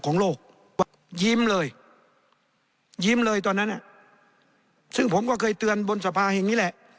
ของโลกยิ้มเลยยิ้มเลยตอนนั้นซึ่งผมก็เคยเตือนบนสภาแห่งนี้แหละ